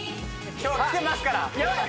今日来てますから。